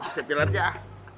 sikit jelat ya